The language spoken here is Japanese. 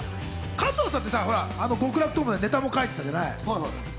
加藤さんって、極楽とんぼでネタも書いてたじゃない？